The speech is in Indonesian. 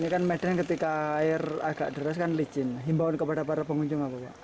ketika air agak deras kan licin himbauan kepada para pengunjung apa pak